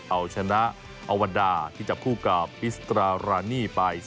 เอาชนะอวันดาที่จับคู่กับอิสตรารานี่ไป